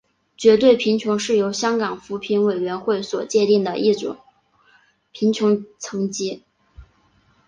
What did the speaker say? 绝对贫穷是由香港扶贫委员会所界定的一种贫穷层级。